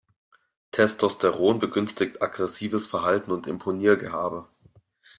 Testosteron begünstigt aggressives Verhalten und Imponiergehabe.